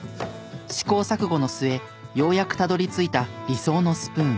試行錯誤の末ようやくたどり着いた理想のスプーン。